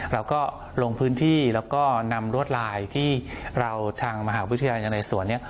แล้วก็ลงพื้นที่แล้วก็นำรวดลายที่เราทางมหาวิทยาลัยยังไหนสวน